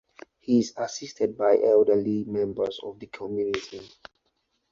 He is assisted by elderly members of the community.